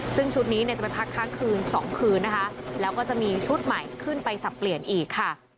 ซึ่งชุดนี้เนี่ยจะไปพักค้างคืน๒คืนนะคะแล้วก็จะมีชุดใหม่ขึ้นไปสับเปลี่ยนอีกค่ะ